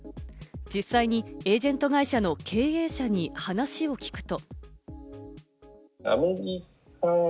実際にエージェント会社の経営者に話を聞くと。